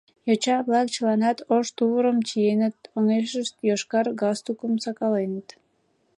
Йоча-влак чыланат ош тувырым чиеныт, оҥешышт йошкар галстукым сакаленыт.